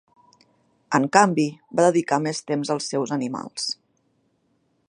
En canvi, va dedicar més temps als seus animals.